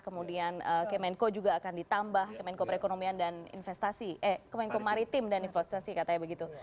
kemudian kemenko juga akan ditambah kemenko maritim dan investasi katanya begitu